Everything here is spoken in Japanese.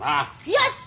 よし！